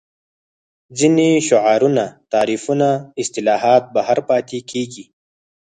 ځینې شعارونه تعریفونه اصطلاحات بهر پاتې کېږي